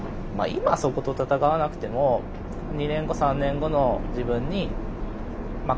今そこと戦わなくても２年後３年後の自分に任す。